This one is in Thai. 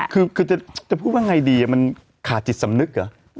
คือจะพูดว่าไงดีมันขาดจิตสำนึกเหรอ